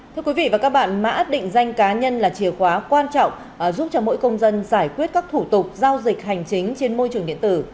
thưa quý vị và các bạn mã định danh cá nhân là chìa khóa quan trọng giúp cho mỗi công dân giải quyết các thủ tục giao dịch hành chính trên môi trường điện tử